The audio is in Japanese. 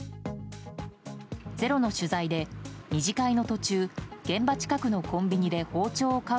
「ｚｅｒｏ」の取材で２次会の途中現場近くのコンビニで包丁を買う